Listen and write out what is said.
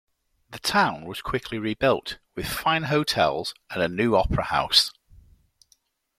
The town was quickly rebuilt with fine hotels and a new opera house.